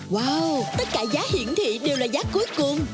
quả tất cả giá hiển thị đều là giá cuối cùng